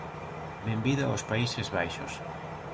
Benvido aos Países Baixos.